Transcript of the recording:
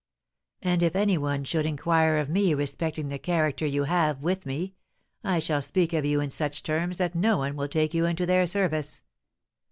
And if any one should inquire of me respecting the character you have with me, I shall speak of you in such terms that no one will take you into their service.'